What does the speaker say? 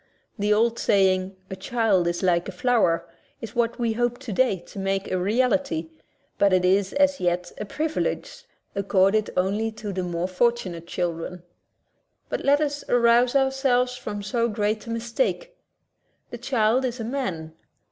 The old saying, "A child is like a flower," is what we hope today to make a reality, but it is as yet a privilege accorded only to the more fortunate children. But let us arouse ourselves from so great a mistake. The child is a man.